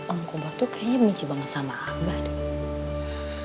om kobarto kayaknya benci banget sama abah deh